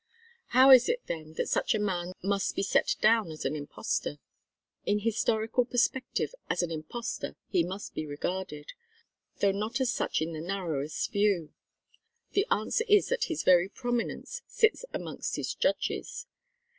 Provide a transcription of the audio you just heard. How is it then that such a man must be set down an impostor? In historical perspective as an impostor he must be regarded, though not as such in the narrowest view. The answer is that his very prominence sits amongst his judges.